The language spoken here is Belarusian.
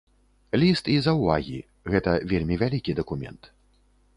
Ліст і заўвагі, гэта вельмі вялікі дакумент.